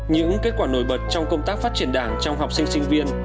những kết quả nổi bật trong công tác phát triển đảng trong học sinh sinh viên